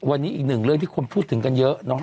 วันนี้อีกหนึ่งเรื่องที่คนพูดถึงกันเยอะเนาะ